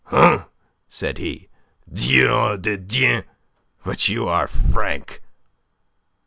"Huh!" said he. "Dieu de Dieu! But you are frank."